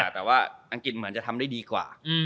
แต่ว่าอังกฤษเหมือนจะทำได้ดีกว่า